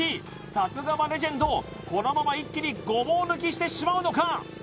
さすがはレジェンドこのまま一気にごぼう抜きしてしまうのか？